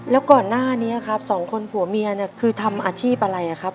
แล้วก่อนหน้านี้ครับสองคนผัวเมียเนี่ยคือทำอาชีพอะไรครับ